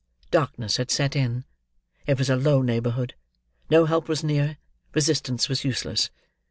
Darkness had set in; it was a low neighborhood; no help was near; resistance was useless.